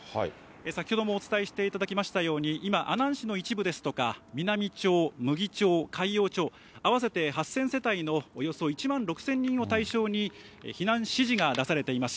先ほどもお伝えしていただきましたように、今、阿南市の一部ですとか、美波町、牟岐町、海陽町、合わせて８０００世帯のおよそ１万６０００人を対象に、避難指示が出されています。